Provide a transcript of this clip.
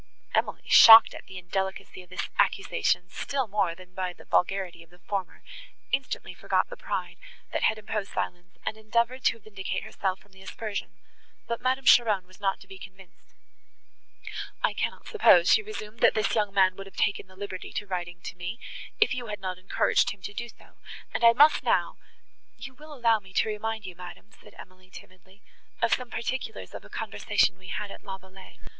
Emily, shocked at the indelicacy of this accusation, still more than by the vulgarity of the former, instantly forgot the pride, that had imposed silence, and endeavoured to vindicate herself from the aspersion, but Madame Cheron was not to be convinced. "I cannot suppose," she resumed, "that this young man would have taken the liberty of writing to me, if you had not encouraged him to do so, and I must now" "You will allow me to remind you, madam," said Emily timidly, "of some particulars of a conversation we had at La Vallée.